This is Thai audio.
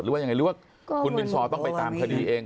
หรือว่ายังไงหรือว่าคุณบินซอต้องไปตามคดีเอง